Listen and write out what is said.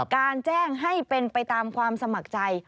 การแจ้งให้เป็นไปตามความสมัครใจ